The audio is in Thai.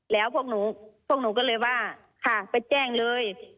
แล้วพวกหนูพวกหนูก็เลยว่าค่ะไปแจ้งเลย